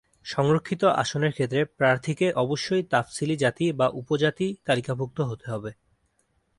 সংরক্ষিত আসনের ক্ষেত্রে প্রার্থীকে অবশ্যই তফসিলি জাতি বা উপজাতি তালিকাভুক্ত হতে হবে।